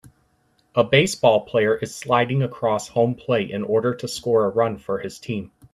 A baseball player is sliding across home plate in order to score a run for his team.